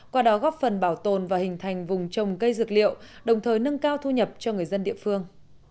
qua đó góp phần bảo tồn và hình thành vùng trồng cây dược liệu đồng thời nâng cao thu nhập cho người dân địa phương